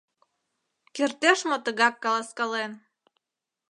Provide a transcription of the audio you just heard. Кертеш мо тыгак каласкален?